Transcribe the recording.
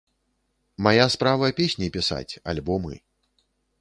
Мая справа песні пісаць, альбомы.